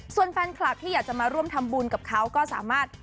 ส่วนแฟนคลับที่อยากจะมาร่วมทำบุญกับเขาก็สามารถ